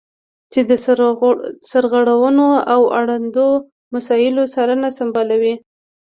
چې د سرغړونو او اړوندو مسایلو څارنه سمبالوي.